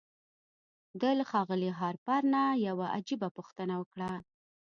ده له ښاغلي هارپر نه يوه عجيبه پوښتنه وکړه.